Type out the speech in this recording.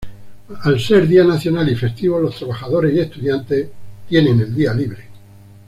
Al ser día nacional y festivo, los trabajadores y estudiantes tienen el día libre.